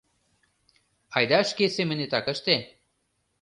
Айда шке семынетак ыште.